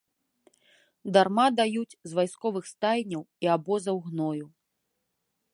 Дарма даюць з вайсковых стайняў і абозаў гною.